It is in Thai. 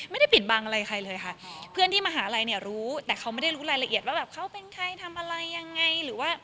ไม่ได้ปิดบังอะไรใครเลยค่ะเพื่อนที่มหาลัยเนี่ยรู้แต่เขาไม่ได้รู้รายละเอียดว่าแบบเขาเป็นใครทำอะไรยังไงหรือว่า